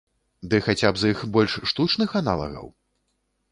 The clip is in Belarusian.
Ды хаця б з іх больш штучных аналагаў?